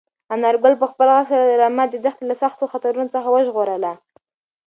انارګل په خپل غږ سره رمه د دښتې له سختو خطرونو څخه وژغورله.